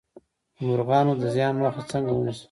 د مرغانو د زیان مخه څنګه ونیسم؟